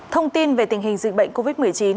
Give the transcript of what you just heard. thông tin về tình hình dịch bệnh covid một mươi chín